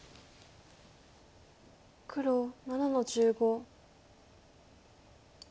黒７の十五。